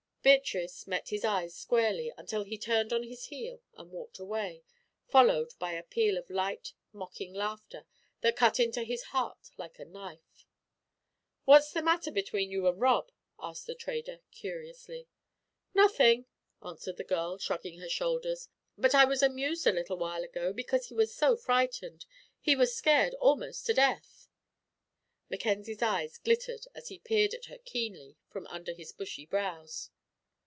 Beatrice met his eyes squarely until he turned on his heel and walked away, followed by a peal of light, mocking laughter that cut into his heart like a knife. "What's the matter between you and Rob?" asked the trader, curiously. "Nothing," answered the girl, shrugging her shoulders; "but I was amused a little while ago because he was so frightened he was scared almost to death." Mackenzie's eyes glittered as he peered at her keenly from under his bushy brows.